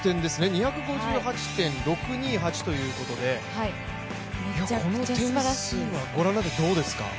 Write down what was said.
２５８．６２８ということで、この点数はご覧になってどうですか？